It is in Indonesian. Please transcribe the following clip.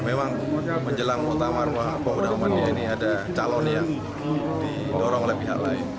memang menjelang utama pemuda muhammadiyah ini ada calon yang didorong oleh pihak lain